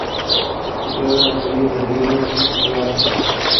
Situada en las orillas del río yuan.